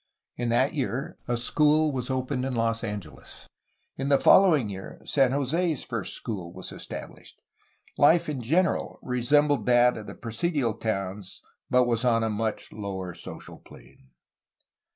In that year a school was opened in Los Angeles. In the following year San Jose's first school was established. Life in general resembled that of the presidial towns, but was on a much lower social plane.